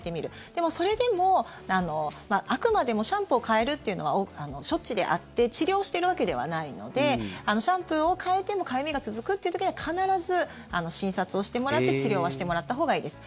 でも、それでもあくまでもシャンプーを変えるっていうのは処置であって治療しているわけではないのでシャンプーを変えてもかゆみが続くっていう時は必ず診察をしてもらって、治療をしてもらったほうがいいです。